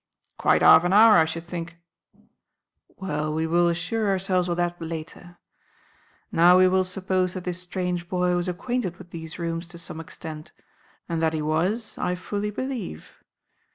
"Quite half an hour, I should think." "Well, we will assure ourselves of that later. Now we will suppose that this strange boy was acquainted with these rooms to some extent, and that he was, I fully believe.